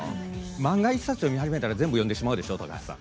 漫画１冊を見始めたら全部読んじゃうでしょ。